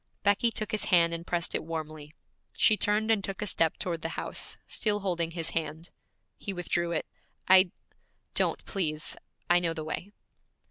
Becky took his hand and pressed it warmly. She turned and took a step toward the house, still holding his hand. He withdrew it. 'I don't, please; I know the way.'